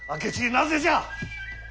なぜじゃ！